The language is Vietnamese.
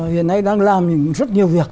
hiện nay đang làm rất nhiều việc